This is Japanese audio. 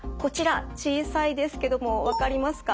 小さいですけども分かりますか？